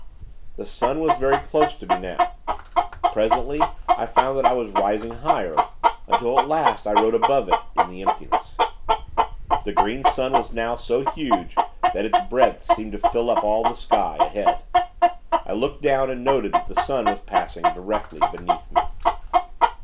The sun was very close to me, now. Presently, I found that I was rising higher; until, at last, I rode above it, in the emptiness. The Green Sun was now so huge that its breadth seemed to fill up all the sky, ahead. I looked down, and noted that the sun was passing directly beneath me.